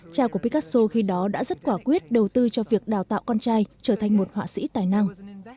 cha của picaso khi đó đã rất quả quyết đầu tư cho việc đào tạo con trai trở thành một họa sĩ tài năng